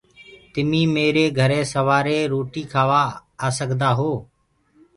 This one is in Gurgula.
تمينٚ ميري گھري سورآري روٽي کآوآ آ سڪدآ هو۔